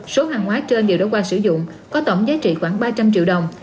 số hàng hóa trên đều đã qua sử dụng có tổng giá trị khoảng ba trăm linh triệu đồng